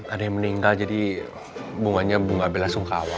ada yang meninggal jadi bunganya bunga bela sungkawa